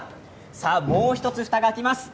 もう１つ、ふたが開きます。